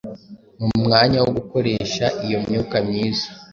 mu mwanya wo gukoresha iyo myuka myiza